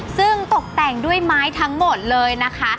ซึ่งตกแต่งด้วยไม้ทั้งหมดเลยนะคะ